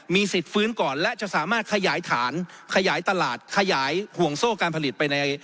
สิทธิ์ฟื้นก่อนและจะสามารถขยายฐานขยายตลาดขยายห่วงโซ่การผลิตไปใน